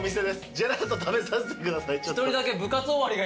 ジェラート食べさせてください。